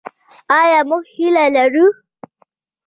آیا موږ هیله لرو؟